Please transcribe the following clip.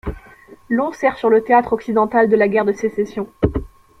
Long sert sur le théâtre occidentale de la guerre de Sécession.